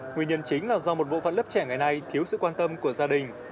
nguyên nhân chính là do một bộ phận lớp trẻ ngày nay thiếu sự quan tâm của gia đình